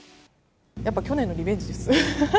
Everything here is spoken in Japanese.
やっぱり去年のリベンジです。